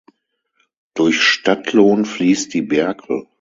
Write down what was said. Durch Stadtlohn fließt die Berkel.